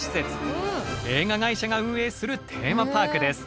映画会社が運営するテーマパークです。